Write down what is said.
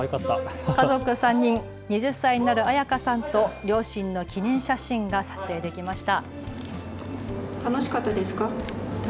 家族３人、２０歳になる彩花さんと両親の記念写真が撮影できました。